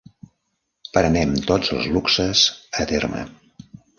Prenem tots els luxes a terme.